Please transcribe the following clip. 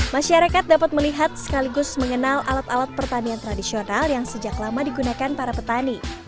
masyarakat dapat melihat sekaligus mengenal alat alat pertanian tradisional yang sejak lama digunakan para petani